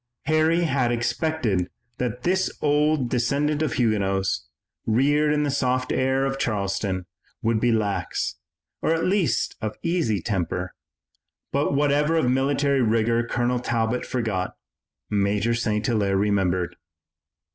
Harry had expected that this old descendant of Huguenots, reared in the soft air of Charleston, would be lax, or at least easy of temper, but whatever of military rigor Colonel Talbot forgot, Major St. Hilaire remembered.